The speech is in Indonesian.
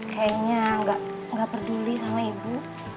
kayaknya nggak peduli sama ibu